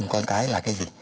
con cái là cái gì